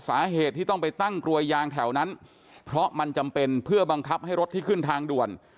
สาเหตุที่ต้องไปตั้งกลวยยางแถวนั้นเพราะมันจำเป็นเพื่อบังคับให้รถที่ขึ้นทางด่วน